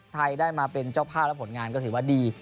ไทยได้มาเป็นเจ้าภาพและผลงานก็ถือว่าดี